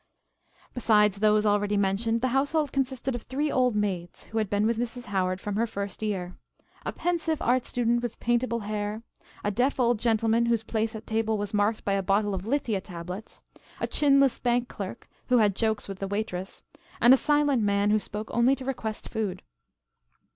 Besides those already mentioned, the household consisted of three old maids, who had been with Mrs. Howard from her first year; a pensive art student with "paintable" hair; a deaf old gentleman whose place at table was marked by a bottle of lithia tablets; a chinless bank clerk, who had jokes with the waitress, and a silent man who spoke only to request food.